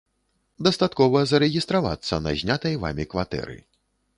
Дастаткова зарэгістравацца на знятай вамі кватэры.